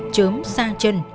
chớm sang chân